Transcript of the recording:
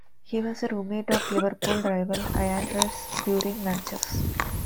He was a room mate of Liverpool rival Ian Rush's during matches.